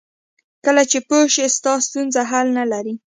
کله چې پوه شې ستا ستونزه حل نه لري.